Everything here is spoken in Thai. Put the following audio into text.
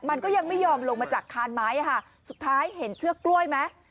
มันก็ยังไม่ยอมลงมาจากคานไม้อ่ะค่ะสุดท้ายเห็นเชือกกล้วยไหม